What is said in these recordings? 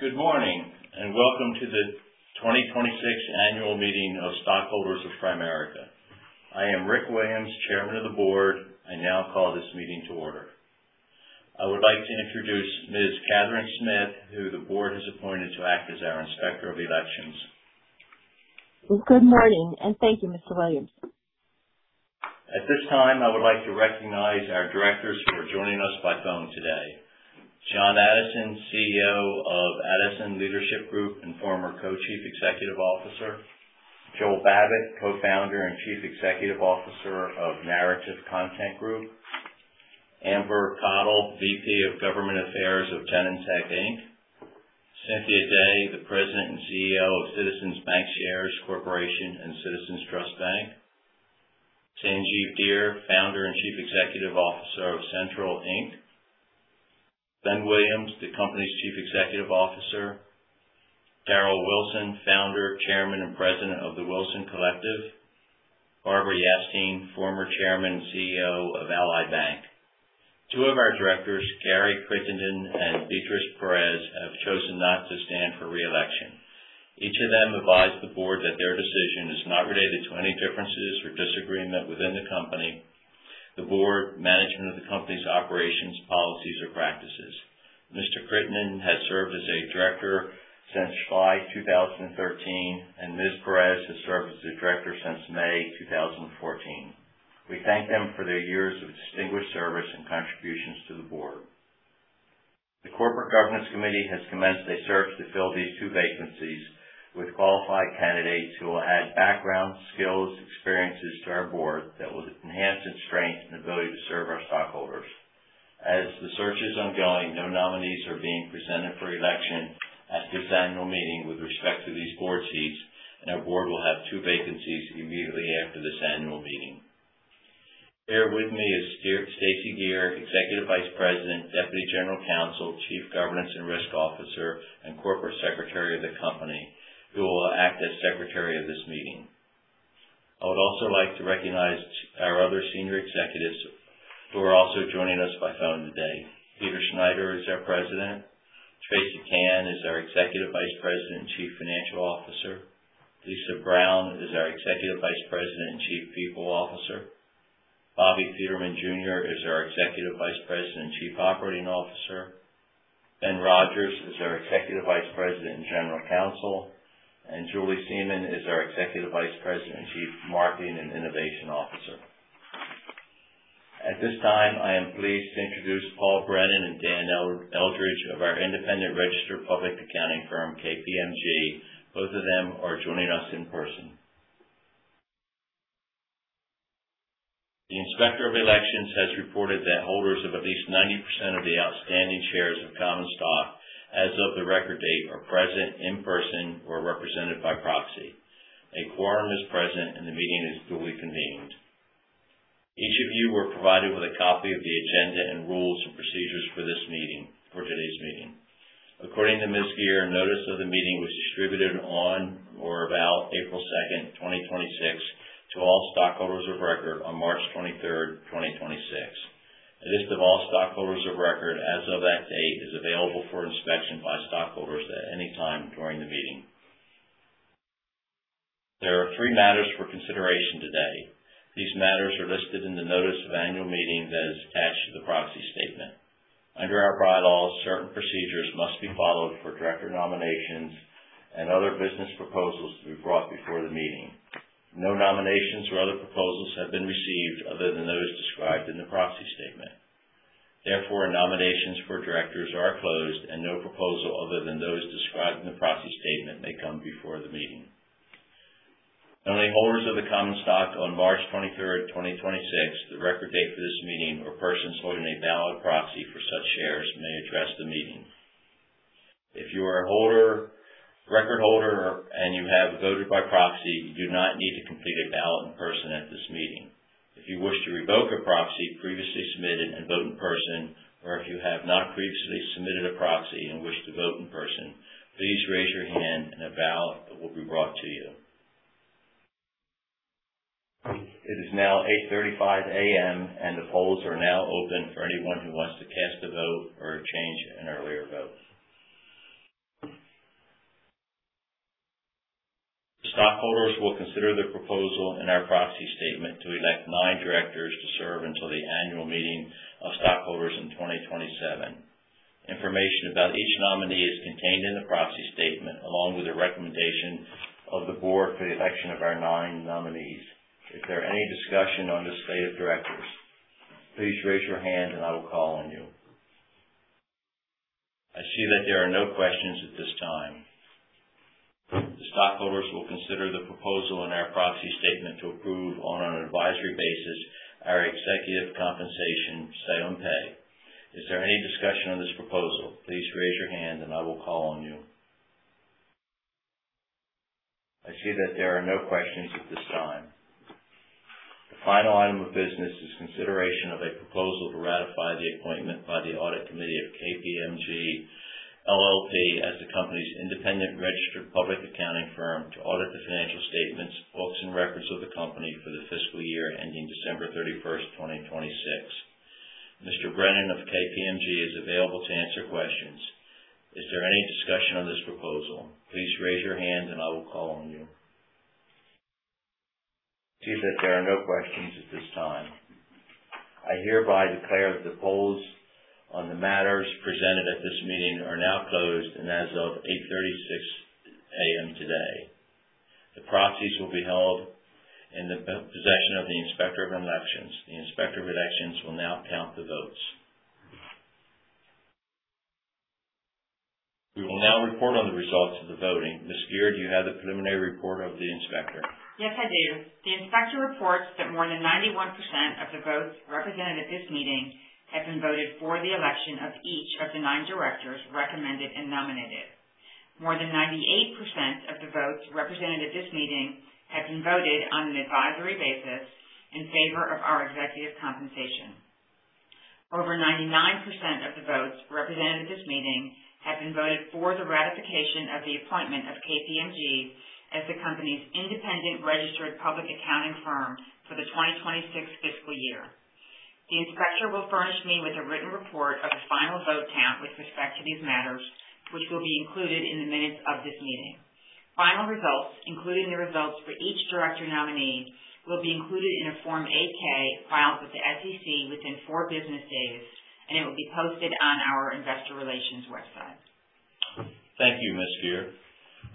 Good morning. Welcome to the 2026 Annual General Meeting of stockholders of Primerica. I am Rick Williams, Chairman of the Board. I now call this meeting to order. I would like to introduce Ms. Catherine Smith, who the Board has appointed to act as our Inspector of Elections. Good morning. Thank you, Mr. Williams. At this time, I would like to recognize our directors who are joining us by phone today. John Addison, Chief Executive Officer of Addison Leadership Group and former Co-Chief Executive Officer. Joel Babbitt, Co-Founder and Chief Executive Officer of Narrative Content Group. Amber Cottle, Vice President of Government Affairs of Genentech Inc. Cynthia Day, the President and Chief Executive Officer of Citizens Bancshares Corporation and Citizens Trust Bank. Sanjiv Dheera, Founder and Chief Executive Officer of CENTRL. Ben Williams, the company's Chief Executive Officer. Darryl Wilson, Founder, Chairman, and President of The Wilson Collective. Barbara Yastine, Former Chairman and Chief Executive Officer of Ally Bank. Two of our directors, Gary Crittenden and Beatriz Perez, have chosen not to stand for re-election. Each of them advised the Board that their decision is not related to any differences or disagreement within the company, the Board, management of the company's operations, policies, or practices. Mr. Crittenden has served as a Director since July 2013, and Ms. Perez has served as a Director since May 2014. We thank them for their years of distinguished service and contributions to the Board. The Corporate Governance Committee has commenced a search to fill these two vacancies with qualified candidates who will add background, skills, experiences to our Board that will enhance its strength and ability to serve our stockholders. The search is ongoing, no nominees are being presented for election at this annual meeting with respect to these Board seats, and our Board will have two vacancies immediately after this annual meeting. Here with me is Stacey Geer, Executive Vice President, Deputy General Counsel, Chief Governance and Risk Officer, and Corporate Secretary of the company, who will act as Secretary of this meeting. I would also like to recognize our other senior executives who are also joining us by phone today. Peter Schneider is our President. Tracy Tan is our Executive Vice President and Chief Financial Officer. Lisa Brown is our Executive Vice President and Chief People Officer. Bobby Peterman Jr. is our Executive Vice President and Chief Operating Officer. Ben Rogers is our Executive Vice President and General Counsel. Julie Seaman is our Executive Vice President and Chief Marketing and Innovation Officer. At this time, I am pleased to introduce Paul Brennan and Dan Eldridge of our independent registered public accounting firm, KPMG. Both of them are joining us in person. The Inspector of Elections has reported that holders of at least 90% of the outstanding shares of common stock as of the record date are present in person or represented by proxy. A quorum is present. The meeting is duly convened. Each of you were provided with a copy of the agenda and rules and procedures for today's meeting. According to Ms. Geer, notice of the meeting was distributed on or about April 2nd, 2026, to all stockholders of record on March 23rd, 2026. A list of all stockholders of record as of that date is available for inspection by stockholders at any time during the meeting. There are three matters for consideration today. These matters are listed in the notice of annual meeting that is attached to the proxy statement. Under our bylaws, certain procedures must be followed for director nominations and other business proposals to be brought before the meeting. No nominations or other proposals have been received other than those described in the proxy statement. Therefore, nominations for directors are closed, and no proposal other than those described in the proxy statement may come before the meeting. Only holders of the common stock on March 23rd, 2026, the record date for this meeting, or persons holding a valid proxy for such shares may address the meeting. If you are a record holder, and you have voted by proxy, you do not need to complete a ballot in person at this meeting. If you wish to revoke a proxy previously submitted and vote in person, or if you have not previously submitted a proxy and wish to vote in person, please raise your hand and a ballot will be brought to you. It is now 8:35 A.M., and the polls are now open for anyone who wants to cast a vote or change an earlier vote. The stockholders will consider the proposal in our proxy statement to elect nine directors to serve until the annual meeting of stockholders in 2027. Information about each nominee is contained in the proxy statement, along with a recommendation of the board for the election of our nine nominees. Is there any discussion on this slate of directors? Please raise your hand and I will call on you. I see that there are no questions at this time. The stockholders will consider the proposal in our proxy statement to approve on an advisory basis our executive compensation say on pay. Is there any discussion on this proposal? Please raise your hand and I will call on you. I see that there are no questions at this time. The final item of business is consideration of a proposal to ratify the appointment by the Audit Committee of KPMG LLP as the company's independent registered public accounting firm to audit the financial statements, books, and records of the company for the fiscal year ending December 31st, 2026. Mr. Brennan of KPMG is available to answer questions. Is there any discussion on this proposal? Please raise your hand and I will call on you. I see that there are no questions at this time. I hereby declare that the polls on the matters presented at this meeting are now closed, and as of 8:36 A.M. today, the proxies will be held in the possession of the Inspector of Elections. The Inspector of Elections will now count the votes. We will now report on the results of the voting. Ms. Geer, do you have the preliminary report of the inspector? Yes, I do. The inspector reports that more than 91% of the votes represented at this meeting have been voted for the election of each of the nine directors recommended and nominated. More than 98% of the votes represented at this meeting have been voted on an advisory basis in favor of our executive compensation. Over 99% of the votes represented at this meeting have been voted for the ratification of the appointment of KPMG as the company's independent registered public accounting firm for the 2026 fiscal year. The inspector will furnish me with a written report of the final vote count with respect to these matters, which will be included in the minutes of this meeting. Final results, including the results for each director nominee, will be included in a Form 8-K filed with the SEC within four business days. It will be posted on our investor relations website. Thank you, Ms. Geer.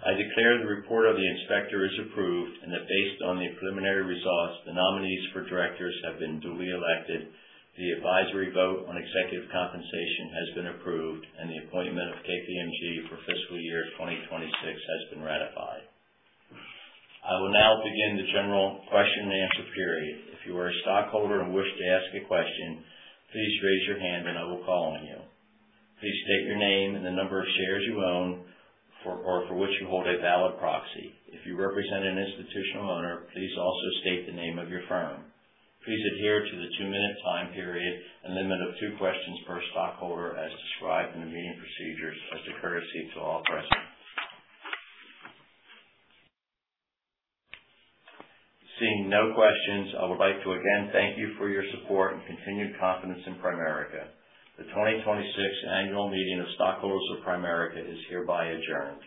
I declare the report of the inspector is approved. Based on the preliminary results, the nominees for directors have been duly elected. The advisory vote on executive compensation has been approved, and the appointment of KPMG for fiscal year 2026 has been ratified. I will now begin the general question and answer period. If you are a stockholder and wish to ask a question, please raise your hand and I will call on you. Please state your name and the number of shares you own or for which you hold a valid proxy. If you represent an institutional owner, please also state the name of your firm. Please adhere to the two-minute time period and limit of two questions per stockholder as described in the meeting procedures as a courtesy to all present. Seeing no questions, I would like to again thank you for your support and continued confidence in Primerica. The 2026 Annual Meeting of Stockholders of Primerica is hereby adjourned.